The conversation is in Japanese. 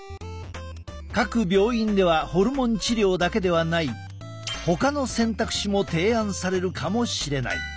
各病院ではホルモン治療だけではないほかの選択肢も提案されるかもしれない。